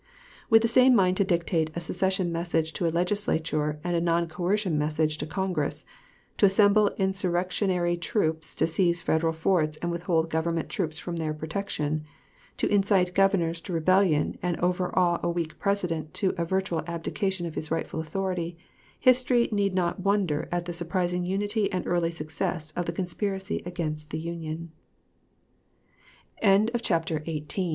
With the same mind to dictate a secession message to a Legislature and a non coercion message to Congress to assemble insurrectionary troops to seize Federal forts and withhold Government troops from their protection to incite governors to rebellion and overawe a weak President to a virtual abdication of his rightful authority, history need not wonder at the surprising unity and early success of the conspiracy against t